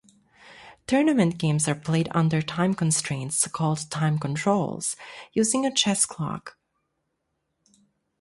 Tournament games are played under time constraints, called time controls, using a chess clock.